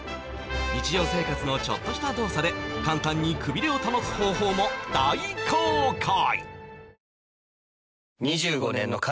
日常生活のちょっとした動作で簡単にくびれを保つ方法も大公開